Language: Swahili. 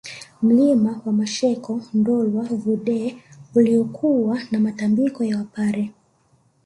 Mlima wa Masheko Ndolwa Vudee uliokuwa na Matambiko ya Wapare